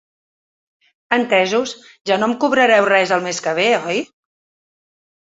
Entesos, ja no em cobrareu res el mes que ve, oi?